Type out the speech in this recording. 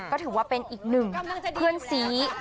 ก็ถือว่าเป็นอีก๑เพื่อนสี